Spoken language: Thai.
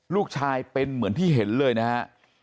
ลูกชายเป็นเหมือนที่เห็นเลยนะฮะ